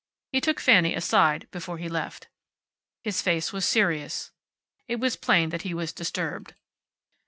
He took Fanny aside before he left. His face was serious. It was plain that he was disturbed.